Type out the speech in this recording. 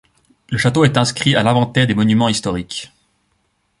Le château est inscrit à l'inventaire des monuments historiques.